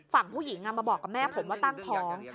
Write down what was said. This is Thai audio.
ฝั่งผู้หญิงมาบอกกับแม่ผมว่าตั้งท้อง